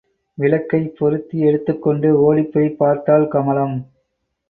விளக்கைப் பொருத்தி எடுத்துக் கொண்டு ஒடிப்போய் பார்த்தாள் கமலம்.